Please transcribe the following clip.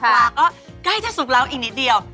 ปลาก็ใกล้จะสุกแล้วอีกนิดเดียว